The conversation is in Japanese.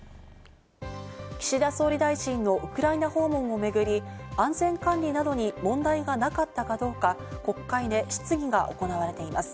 岸田総理大臣のウクライナ訪問をめぐり、安全管理などに問題がなかったかどうか、国会で質疑が行われています。